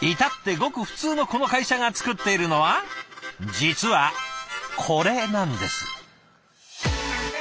至ってごく普通のこの会社が作っているのは実はこれなんです。